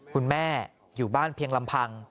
คุณแม่อยู่บ้านเพียงลำพัง